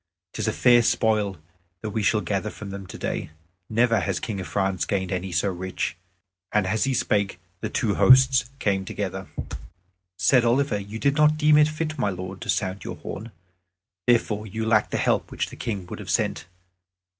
'Tis a fair spoil that we shall gather from them today. Never has King of France gained any so rich." And as he spake, the two hosts came together. Said Oliver, "You did not deem it fit, my lord, to sound your horn. Therefore you lack the help which the King would have sent.